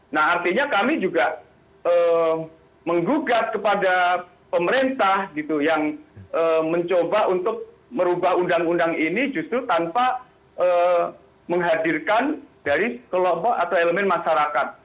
nah artinya kami juga menggugat kepada pemerintah gitu yang mencoba untuk merubah undang undang ini justru tanpa menghadirkan dari kelompok atau elemen masyarakat